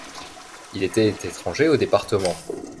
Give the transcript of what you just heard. Il était étranger au département!